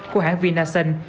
của hãng vinasen